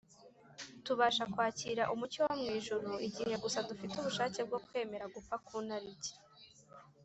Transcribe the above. Tubasha kwakira umucyo wo mw’ijuru igihe gusa dufite ubushake bwo kwemera gupfa ku narijye